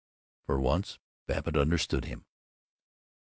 For once, Babbitt understood him.